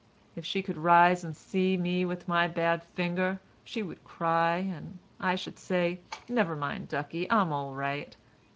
If she could rise and see me with my bad finger, she would cry, and I should say, 'Never mind, ducky, I'm all right.